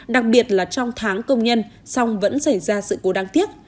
đặc biệt là trong tháng công nhân song vẫn xảy ra sự cố đáng tiếc